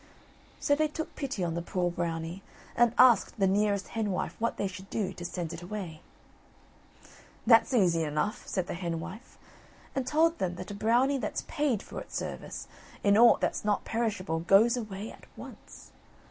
So they took pity on the poor Brownie, and asked the nearest henwife what they should do to send it away. "That's easy enough," said the henwife, and told them that a Brownie that's paid for its service, in aught that's not perishable, goes away at once.